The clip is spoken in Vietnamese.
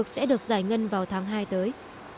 sẽ được giải ngân vào tháng hai tới